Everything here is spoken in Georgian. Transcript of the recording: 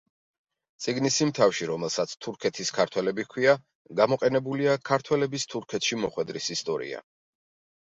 წიგნის იმ თავში, რომელსაც „თურქეთის ქართველები“ ჰქვია, გამოყენებულია ქართველების თურქეთში მოხვედრის ისტორია.